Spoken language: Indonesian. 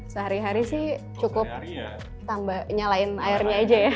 sehari hari sih cukup tambah nyalain airnya aja ya